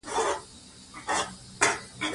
ته څومره ښه سړی یې.